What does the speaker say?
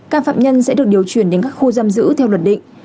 các phạm nhân sẽ được điều chuyển đến các khu giam giữ theo luật định